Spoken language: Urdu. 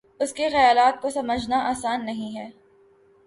اس کے خیالات کو سمجھنا آسان نہیں ہے